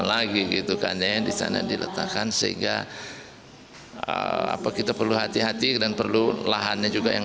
lagi gitu kan ya di sana diletakkan sehingga apa kita perlu hati hati dan perlu lahannya juga yang